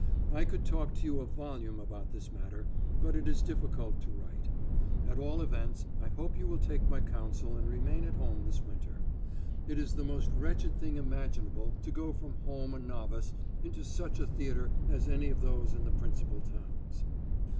I could talk to you a volume upon this matter, but it is difficult to write. At all events I hope you will take my counsel and remain at home this winter. It is the most wretched thing imaginable to go from home a novice into such a theatre as any of those in the principal towns.